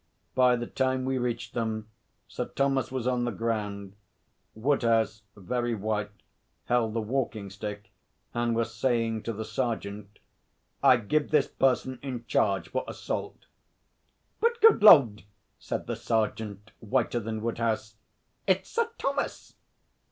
By the time we reached them, Sir Thomas was on the ground; Woodhouse, very white, held the walking stick and was saying to the sergeant: 'I give this person in charge for assault.' 'But, good Lord!' said the sergeant, whiter than Woodhouse. 'It's Sir Thomas.'